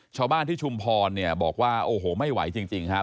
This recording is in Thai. ชาวบ้านที่ชุมพรเนี่ยบอกว่าโอ้โหไม่ไหวจริงครับ